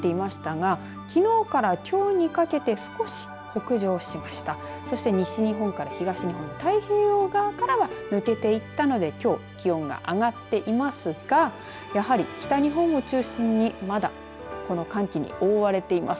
そして西日本から東日本太平洋側からは抜けていったのできょう、気温が上がっていますがやはり、北日本を中心にまだ寒気に覆われています。